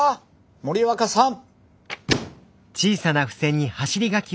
森若さん！